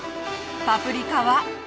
パプリカは。